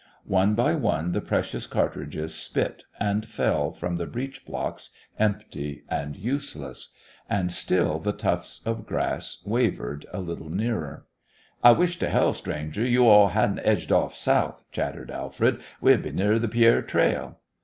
One by one the precious cartridges spit, and fell from the breech blocks empty and useless. And still the tufts of grass wavered a little nearer. "I wish t' hell, stranger, you all hadn't edged off south," chattered Alfred. "We'd be nearer th' Pierre trail."